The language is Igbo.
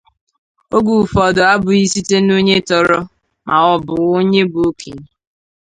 oge ụfọdụ abụghị site n'onye tọrọ ma ọ bụ onye bụ okenye